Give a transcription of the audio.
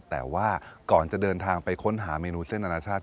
แต่ว่าก่อนจะเดินทางไปค้นหาเมนูเส้นอนาชาติ